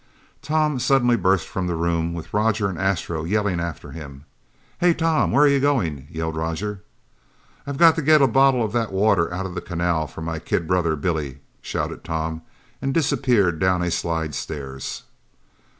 Tom suddenly burst from the room with Roger and Astro yelling after him. "Hey, Tom, where you going?" yelled Roger. "I've got to get a bottle of that water out of the canal for my kid brother Billy!" shouted Tom and disappeared down a slidestairs.